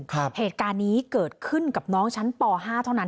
เหตุการณ์นี้เกิดขึ้นกับน้องชั้นป๕เท่านั้น